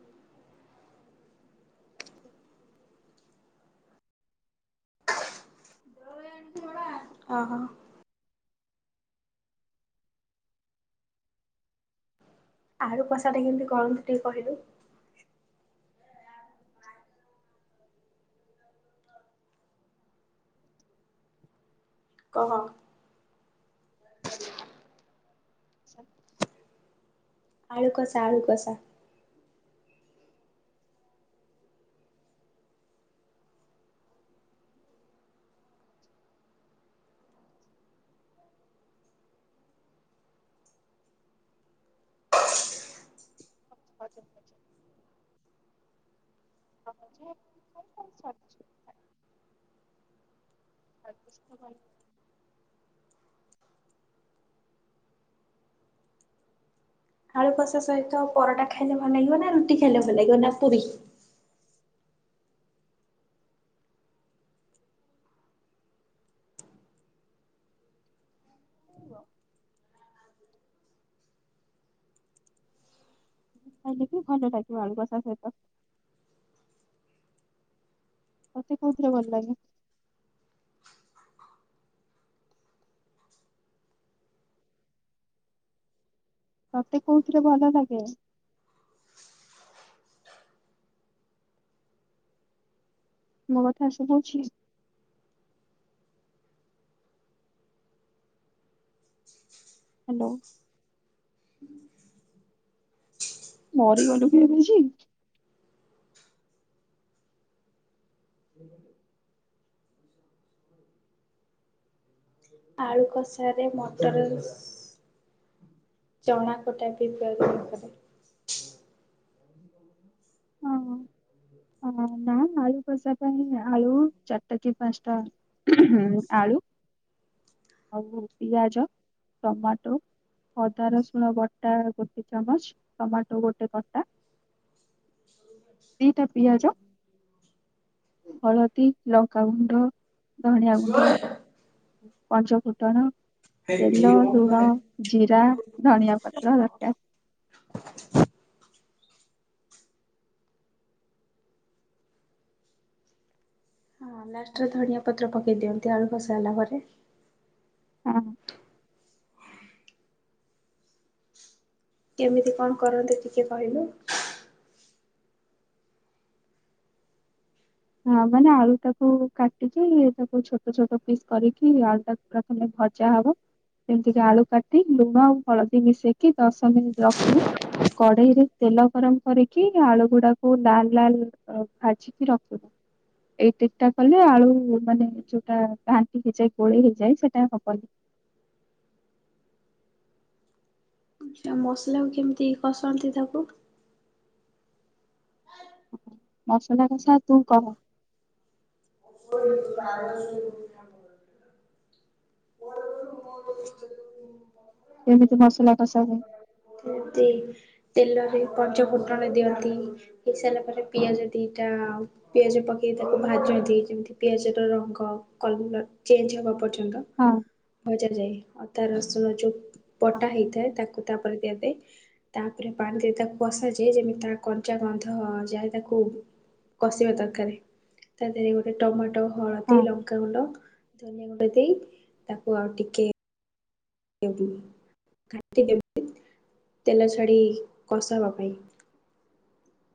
ହଁ ଓହୋ। ଆଳୁ କଷାଟା କେମିତି କରନ୍ତୁ ଟିକେ କହିଲୁ? କହ? ସ ଆଳୁ କଷା ଆଳୁ କଷା। [unintelligible] [unintelligible] [unintelligible] ଆଳୁ କଷା ସହିତ ପରଟା ଖାଇଲେ ଭଲ ଲାଗିବ ନା ରୁଟି ଖାଇଲେ ଭଲ ଲାଗିବ ମତ ଦୃଷ୍ଟି ରୁ। ଶୁଣିବ। ଆ କି [unintelligible] ସା ସେତ। ତତେ କୋଉଥିରେ ଭଲ ଲାଗେ। ତତେ କୋଉଥିରେ ଭଲ ଲାଗେ? ମୋ କଥା ଶୁଭୁଛି। ହ୍ୟାଲୋ। ମରି ଗଲୁ କି ଦେଇଛି। ଆଳୁ କଷାରେ ମଦର୍ ଇସ୍ ଚଣା କଟା ବି ପ୍ରଦାନ କରେ। ହଁ ନା ଆଳୁ କଷା ପାଇଁ ଆଳୁ ଚାରିଟା କି ପାଞ୍ଚଟା ଆଳୁ। ଆଉ ପିଆଜ ଟମାଟୋ ଅଦା ରସୁଣ ବଟା ଗୋଟେ ଚାମଚ ଟମାଟୋ ଗୋଟେ କଟା ସେଇଟା ପିଆଜ ହଳଦୀ ଲଙ୍କାଗୁଣ୍ଡ। ଧଣିଆ ଗୁଣ୍ଡ ପଞ୍ଚ ଫୁଟଣ ତେଲ ଲୁଣ ଜିରା ଧନଆ ପତ୍ର ଦରକାର। ହଁ ଲାଷ୍ଟରେ ଧନଆ ପତ୍ର ପକେଇ ଦିଅନ୍ତି ଆଳୁ କଷା ହେଲା ପରେ। ହ କେମିତି କଣ କରନ୍ତୁ ଟିକେ କହିଲୁ? ହଁ ମାନେ ଆଳୁ ଟାକୁ କାଟିକି ତାକୁ ଛୋଟ ଛୋଟ ପିସ୍ କରିକି ଆଳୁ ଟାକୁ ପୁରା ଖଣ୍ଡ ଖଣ୍ଡ ଭଜା ହବ ଯେମିତିକ ଆଳୁ କାଟି ଲୁଣ ଆଉ ହଳଦୀ ମିଶେଇକି ଦଶ ମିନିଟ ରଖିବି। କଢେଇରେ ତେଲ ଗରମ କରିକି ଆଳୁ ଗୁଡାକୁ ଲାଲ ଲାଲ ଭାଜିକି ରଖିବୁ। ହ ଏଇ ଟିକ ଟା କଲେ ଆଳୁ ମାନେ ଯୋଉଟା ଘାଣ୍ଟି ଚେକ୍ ହୁଏ ସେଇଟା ହବନି। ଆଛା ମସଲାକୁ କେମିତି କସନ୍ତି ତାକୁ। ମସଲା କଷା ତୁ କହ। ଓ ମ କେମିତି ମସଲା କଷା ହୁଏ। ଦି ତେଲରେ ପଞ୍ଚ ଫୁଟଣ ଦିଅନ୍ତି ହେଇସାରିଲା ପରେ ପିଆଜ ଦିଟା ପିଆଜ ପକେଇ ତାକୁ ଭାଜନ୍ତି ଯେମିତି ପିଆଜ ର ରଙ୍ଗ କଲ ଚେଞ୍ଜ ହବା ପର୍ଯ୍ୟନ୍ତ। ହଁ। ଭଜା ଯାଏ ଅ ତା ରସୁଣ ଯୋଉ ପଟା ହେଇଥାଏ ତାକୁ ତାପରେ ଦେବେ। ତାପରେ ପାଣି ଦେଇ ତାକୁ କସାାଯାଏ ଯେମିତି ତା କଞ୍ଚା ଗନ୍ଧ ଯାଏ ତାକୁ କଷିବା ଦରକାର ତା ଦେହରେ ଟମାଟୋ ହଁ ହଳଦୀ ଲଙ୍କାଗୁଣ୍ଡ ଧନିଆ ଗୁଣ୍ଡ ଦେଇ ତାକୁ ଆଉ ଟିକେ [inaudible] ତେଲ ଛାଡି କଷା ହେବା ପାଇଁ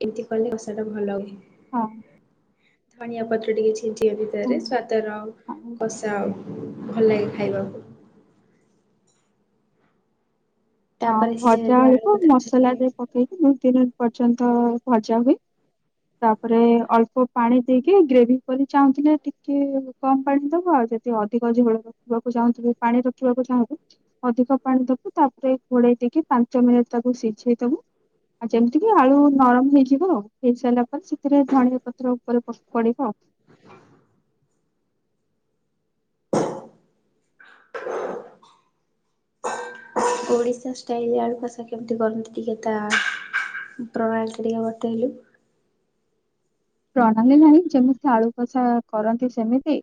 ଏମିତି କଲେ କଷା ଟା ଭଲ ହୁଏ। ହଁ। ଧନିଆ ପତ୍ର ଟିକେ ଛିଞ୍ଚିବା ହଁ ଭିତରେ ସ୍ଵାଦର ଆଉ କଷା ହୁଏ। ଖାଇବାକୁ। ହ ତାପରେ ସିଝା ଭଜା ଯାଇଥିବା ହୁଏ ଆଳୁକୁ ତା ମସଲା ଦେହରେ ଟିକେ ପକେଇକି ଦେଇ କି ଘାଣ୍ଟି ପର୍ଯ୍ୟନ୍ତ ଭଜା ହୁଏ। ତାପରେ ଅଳ୍ପ ପାଣି ଦେଇକି ଗ୍ରେଭି କରି ଚାହୁଁଥିଲେ ଟିକେ କମ ପାଣି ଦବ। ଯଦି ଅଧିକ ଝୋଳ ରଖିବାକୁ ଚାହୁଁଥିବ ପାଣି ରଖିବାକୁ ଚାହୁଁବୁ ଅଧିକ ପାଣି ଦବୁ ତାପରେ ଘୋଳେଇ ଦେଇକି ପାଞ୍ଚ ମିନିଟ୍ ତାକୁ ସିଝେଇଦବୁ। ଆଉ ଯେମିତି କି ଆଳୁ ନରମ ହେଇଯିବ ହେଇସାରିଲା ସେଥିରେ ଧନିଆ ପତ୍ର ଉପରେ ପ ପଡିବ। ହ ଓଡିଶା ଷ୍ଟାଇଲ ରେ ଆଳୁ କଷା କେମିତି କରନ୍ତି ଟିକେ ତା। [unintelligible] ପ୍ରଣାଳୀ ନାଇଁ ଯେମିତି ଆଳୁ କଷା କରନ୍ତି ସେମିତି।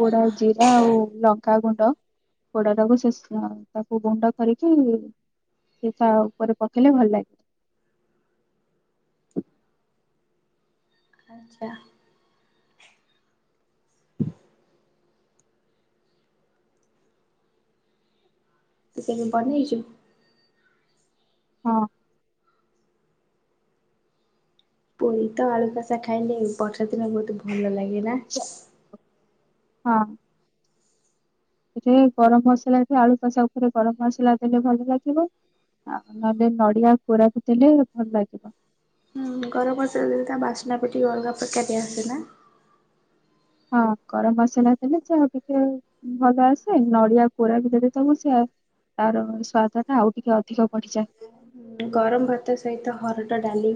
ପୋଡା ଜିରା ଆଉ ଲଙ୍କା ଗୁଣ୍ଡ। ପୋଡା ଟାକୁ ସେ ତାକୁ ଗୁଣ୍ଡ କରିକି ସେ ତା ଉପରେ ପକେଇଲେ ଭଲ ଲାଗିବ। ଆଚ୍ଛା। ସେ [unintelligible] ହେଇଛ। ହଁ। ପୁରୀ ତ ଆଳୁ କଷା ଖାଇଲେ ବର୍ଷା ଦିନ ବହୁତ ଭଲ ଲାଗେ ନା। ହଁ। ଏ ଗରମ ମସଲା ଏ ଆଳୁ କଷା ଉପରେ ଗରମ ମସଲା ଦେଲେ ଭଲ ଲାଗିବ। ଆଉ ନହେଲେ ନଡିଆ କୋରାକୁ ଦେଲେ ଭଲ ଲାଗିବ। ହୁଁ ଗରମ ମସଲା ତା ବାସ୍ନା ପଟୁ ଅଲଗା ପ୍ରକାରର ଆସେ ନା। ହଁ ଗରମ ମସଲା ଦେଲେ ଯାହା ଟିକେ ଭଲ ଆସେ ନଡିଆ କୋରା ବି ଯଦି ସବୁ ସ ତାର ସ୍ଵାଦ ଟା ଆଉ ଟିକେ ଅଧିକ ବଢିଯାଏ। ଗରମ ଭାତ ସହିତ ହରଟ ଡାଲି।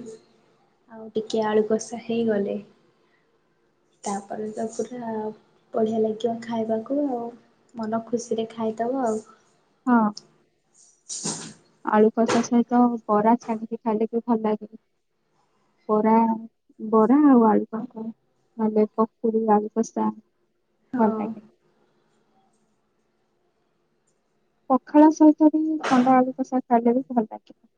ଆଉ ଟିକେ ଆଳୁ କଷା ହେଇଗଲେ। [inaudible] ତାପରେ ତ ପୁରା ବଢ଼ିଆ ଲାଗିବ ଖାଇବାକୁ ଆଉ ମନ ଖୁସିରେ ଖାଇଦବ। ହଉ। ହଁ। [inaudible] ଆଳୁ କଷା ସହିତ ବରା ଛାଣିକି ଖାଇଲେ ବି ଭଲ ଲାଗେ। ବରା ବରା ଆଉ ଆଳୁ ପକୁଡ଼ି। ଭଲେ ପକୁଡ଼ି ଆଳୁ କଷା ଭଲ ହଁ ଲାଗେ। ପଖାଳ ସହିତ ବି ଥଣ୍ଡା ଆଳୁ କଷା ଖାଇଲେ ବି ଭଲ ଲାଗିବ। [inaudible]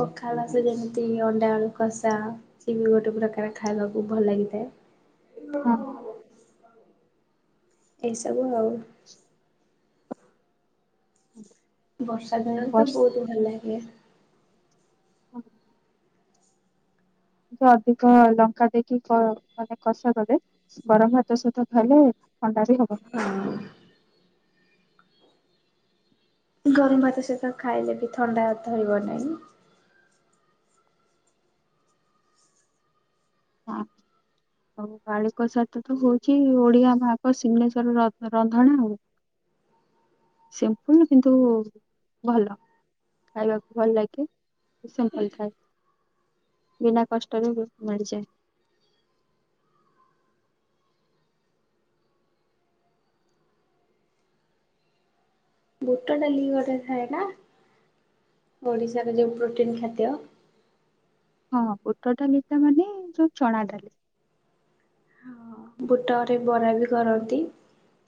ପଖାଳ ସହିତ ଯେମିତି ଅଣ୍ଡା ଆଳୁ କଷା ସିଏ ଏକ ପ୍ରକାର ଖାଇବାକୁ ଭଲ ଲାଗେ। [inaudible] ହଁ [inaudible] ଏସବୁ ଆଉ ହୁଁ। ବର୍ଷା ଦିନରେ ତ ବହୁତ ଭଲ ଲାଗେ। [inaudible] ଅଧିକ ଲଙ୍କା ଦେଇକି ମାନେ କଷା କଲେ ଗରମ ଭାତ ସହିତ ଖାଇଲେ ଥଣ୍ଡା ବି ହବ। ହଁ ଗରମ ଭାତ ସହିତ ଖାଇଲେ ବି ଥଣ୍ଡା ଧରିବ ନାହିଁ। ହଁ। ଆଉ ଆଳୁକସା ତ ହଉଛି ଓଡିଆ ଭାଗ ସିଂନେଶ୍ଵର ରନ୍ଧଣା ଆଉ। ସିମ୍ପୁଲ କିନ୍ତୁ ଭଲ। ଖାଇବାକୁ ଭଲ ଲାଗେ କିନ୍ତୁ ସିମ୍ପୁଲ ଥାଏ। ବିନା କଷ୍ଟରେ ବି ମାଡ଼ିଯାଏ। ବୁଟ ଡାଲି ଗୋଟେ ଥାଏ ନା ଓଡ଼ିଶାର ଯେଉଁ ପ୍ରୋଟିନ୍ ଖାଦ୍ୟ ହଁ ବୁଟ ଡାଲି ତା ମାନେ ଯୋଉଁ ଚଣା ଡାଲି। ହଁ ବୁଟରେ ବରା ବି କରନ୍ତି।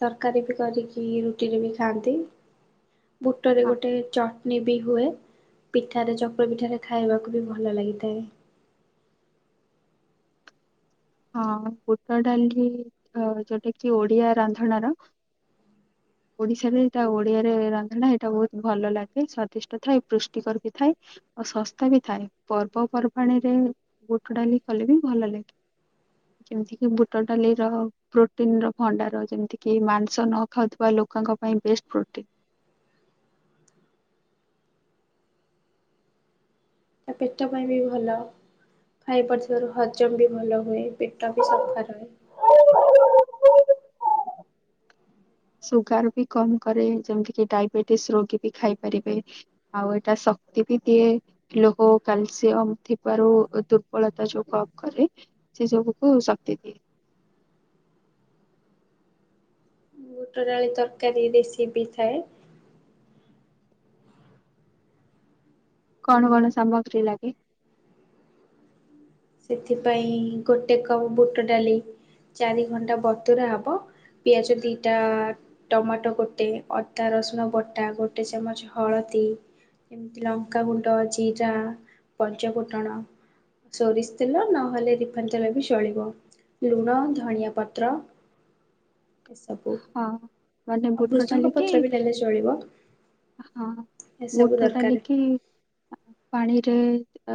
ତରକାରୀ ବି କରିକି ରୁଟିରେ ବି ଖାଆନ୍ତି ବୁଟରେ ଗୋଟେ ଚଟନୀ ବି ହୁଏ ପିଠାରେ ଚକୁଳି ପିଠାରେ ଖାଇବାକୁ ବି ଭଲ ଲାଗିଥାଏ। [inaudible] ହଁ ବୁଟ ଡାଲି ଯୋଉଁଟା କି ଓଡିଆ ରାନ୍ଧଣାର [inaudible] ଓଡିଶାରେ ଏଇଟା ଓଡିଆରେ ରନ୍ଧନା ଏଇଟା ବହୁତ ଭଲ ଲାଗେ ସ୍ଵାଦିଷ୍ଟ ଥାଏ ପୃଷ୍ଟିକର ବି ଥାଏ। ଆଉ ଶସ୍ତା ବି ଥାଏ ପର୍ବପର୍ବାଣିୀ ରେ ବୁଟ ଡାଲି କଲେ ବି ଭଲ ଲାଗେ। [inaudible] ଯେମିତି କି ବୁଟ ଡାଲିର ପ୍ରୋଟିନ ର ଭଣ୍ଡାର ଯେମିତି କିି ମାଂସ ନ ଖାଉଥିବା ଲୋକଙ୍କ ପାଇଁ ବେଷ୍ଟ ପ୍ରୋଟିନ। ତା ପେଟ ପାଇଁ ବି ଭଲ। ଖାଇ ପାରୁଥିବାରୁ ହଜମ ବି ଭଲ ହୁଏ ପେଟ ବି ସଫା ରହେ। ସୁଗାର ବି କମ୍ କରେ ଯେମିତି କି ଡାଇବେଟିସ ରୋଗୀ ବି ଖାଇପାରିବେ ଆଉ ଏଇଟା ଶକ୍ତି ବି ଦିଏ ଲୋହ କାଲସିୟମ ଥିବାରୁ ଦୁର୍ବଳତା ଯୋଗ କରେ। ସେ ସବୁକୁ ଶକ୍ତି ଦିଏ। ବୁଟ ଡାଳି ତରକାରୀ ରେସିପି ଥାଏ। କଣ କଣ ସାମଗ୍ରୀ ଲାଗେ? ସେଥିପାଇଁ ଗୋଟେ କପ ବୁଟ ଡାଲି ଚାରି ଘଣ୍ଟା ବତୁରା ହବ। ପିଆଜ ଦିଟା ଟମାଟୋ ଗୋଟେ ଅଦା ରସୁଣ ବଟା ଗୋଟେ ଚାମଚ ହଳଦୀ ଯେମିତି ଲଙ୍କାଗୁଣ୍ଡ ଜିରା ପଞ୍ଚ ଫୁଟଣ ସୋରି ତେଲ ନହେଲେ ରିଫନ୍ ତେଲରେ ବି ଚଳିବ ଲୁଣ ଧନଆ ପତ୍ର ଏସବୁ ହଁ ମାନେ ଆଉ ବୁଟ ଭୃସଙ୍ଗ ଡାଲିକି ପତ୍ର ବି ନେଲେ ଚଳିବ। ହଁ ଏସବୁ ବୁଟ ଦରକାର। ଡାଲିକି ପାଣିରେ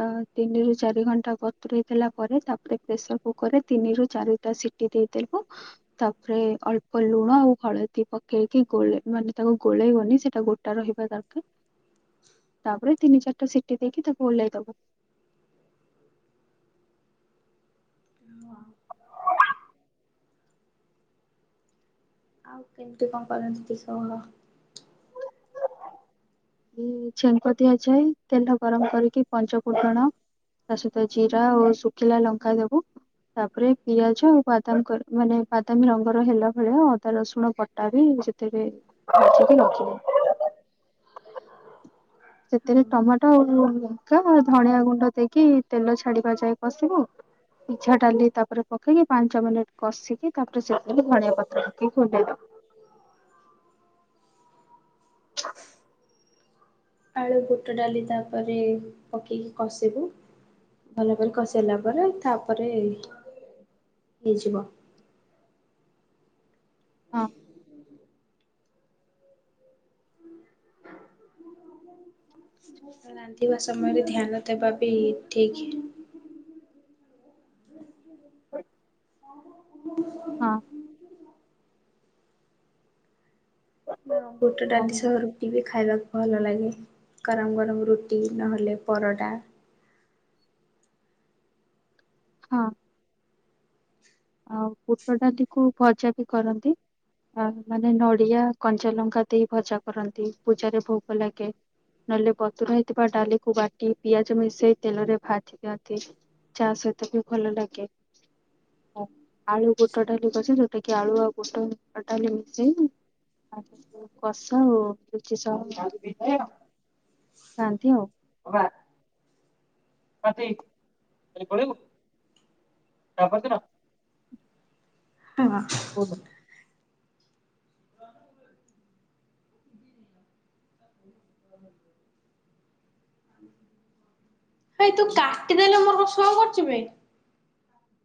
ଅ ତିନି ରୁ ଚାରି ଘଣ୍ଟା ବତୁରେଇ ଦେଲା ପରେ ତାପରେ ପ୍ରେସର କୁକର ରେ ତିନି ଚାରିଟା ସିଟି ଦେଇଦେବୁ ତାପରେ ଅଳ୍ପ ଅଳ୍ପ ଲୁଣ ଆଉ ହଳଦୀ ପକେଇକି ଗୋଳେଇ ମାନେ ତାକୁ ଗୋଳେଇବନି ସେଇଟା ଗୋଟା ରହିବା ଦରକାର। ତାପରେ ତିନି ଚାରିଟା ସିଟି ଦେଇକି ତାକୁ ଓହ୍ଲାଇ ଦେବ। [inaudible] ଆଉ କେମିତି କଣ କରନ୍ତି? [unintelligible] ଛେଙ୍କ ଦିଆଯାଏ ତେଲ ଗରମ କରିକି ପଞ୍ଚ ଫୁଟଣ ତା ସହିତ ଜିରା ଓ ଶୁଖିଲା ଲଙ୍କା ଦବୁ ତାପରେ ପିଆଜ ଆଉ ବାଦାମ ମାନେ ବାଦାମ ରଙ୍ଗର ହେଲା ଭଳିଆ ଅଦା ରସୁଣ ପଟା ବି ଯେତେବେଲେ ଭାଝିକି ରଖିବେ। ସେଥିରେ ହଁ, ଟମାଟୋ ଆଉ ଲଙ୍କା ଧଣିଆ ଗୁଣ୍ଡ ଦେଇକି ତେଲ ଛାଡିବା ଯାଏ କଷିବେ ସିଝା ଡାଲି ତାପରେ ପକେଇକି ପାଞ୍ଚ ମିନିଟ କଷିକି ତାପରେ ସେ ଧଣିଆ ପତ୍ର ପକେଇକି ଓଲ୍ହେଇଵେ। [inaudible] ଆଳୁ ଗୁଟ ଡାଲି ତାପରେ ପକେଇକି କଷିବୁ ଭଲ କରି କସେଇଲା ପରେ ତାପରେ ହେଇଯିବ। ହଁ। ରାନ୍ଧିବା ସମୟରେ ଧ୍ୟାନ ଦେବା ବି ଠିକ [inaudible] ହଁ ବୋଉ ହଁ [unintelligible] ନା ବୁଟ ଆଉ ଡାଲି ସହ ରୁଟି ବି ଖାଇବାକୁ ଭଲ ଲାଗେ ଗରମ ଗରମ ରୁଟି ନହେଲେ ପରଟା ହଁ। ଆଉ ବୁଟଡାଟିକୁ ଗଜା ବି କରନ୍ତି। ଅ ମାନେ ନଡିଆ କଞ୍ଚାଲଙ୍କା ଦେଇ ଭଜା କରନ୍ତି ପୂଜାରେ ଭୋଗ ଲାଗେ। ନହେଲେ ବତୁର ହେଇଥିବା ଡାଲିକୁ ବାଟି ପିଆଜ ମିଶେଇ ତେଲରେ ଭାଜି ଦିଅନ୍ତି। ଚା ସହିତ ବି ଭଲ ଲାଗେ ଆଳୁ ଗୁଟ ଡାଲି ଯୋଉଟା କି ଆଳୁ ଆଉ ଫୋଟଳ କଟା [unintelligible] ଆ କଷା ହଉଚ [unintelligible] ଶାନ୍ତି ହଉ ବା [unintelligible] ପଳେଇବୁ ତା ପରଦିନ ହଁ କହୁନ। ଭାଇ ତୁ କାଟିଦେଲେ ମୋର କଣ ଶୋ କରଚି ଭାଇ।